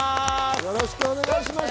よろしくお願いします。